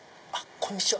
こんにちは。